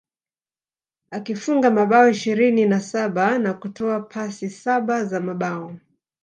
Akifunga mabao ishirini na saba na kutoa pasi saba za mabao